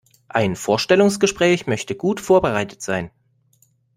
Ein Vorstellungsgespräch möchte gut vorbereitet sein.